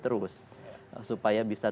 terus supaya bisa